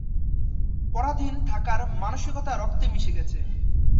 পরাধীন থাকার মানসিকতা রক্তে মিশে গেছে।